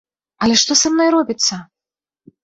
Але што са мной робіцца?